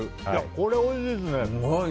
これおいしいですね。